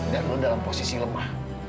dan lu dalam posisi lemah